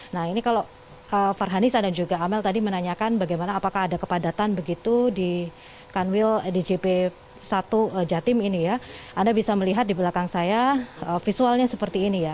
nah ini kalau farhanisa dan juga amel tadi menanyakan bagaimana apakah ada kepadatan begitu di kanwil djp satu jatim ini ya anda bisa melihat di belakang saya visualnya seperti ini ya